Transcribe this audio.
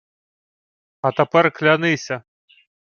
— А тепер клянися.